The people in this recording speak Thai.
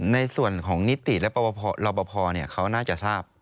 ในส่วนของนิติและประวัติภาพเขาน่าจะทราบ